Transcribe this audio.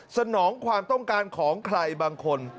สนองความต้องการของใครบางคน